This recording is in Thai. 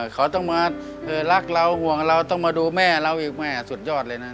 เขาต้องมารักเราห่วงเราต้องมาดูแม่เราอีกแม่สุดยอดเลยนะ